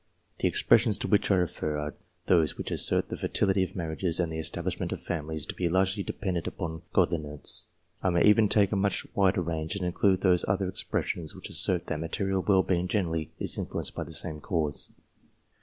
The expressions to which I refer are those which assert the fertility of marriages and the establishment of families to be largely dependent upon godliness. 1 I may even take a much wider range, and include those other expressions which assert that material well being generally is influenced by the same cause.